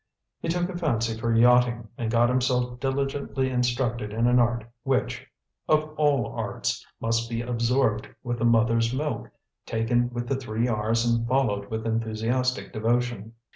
He took a fancy for yachting, and got himself diligently instructed in an art which, of all arts, must be absorbed with the mother's milk, taken with the three R's and followed with enthusiastic devotion.